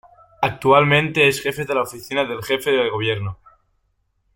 Actualmente es Jefe de la Oficina del Jefe de Gobierno.